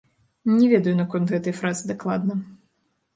Не ведаю наконт гэтай фразы дакладна.